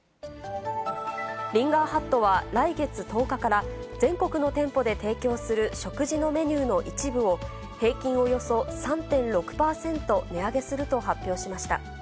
リンガーハットは、来月１０日から、全国の店舗で提供する食事のメニューの一部を、平均およそ３．６％値上げすると発表しました。